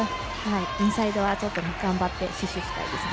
インサイドは頑張って死守したいですね。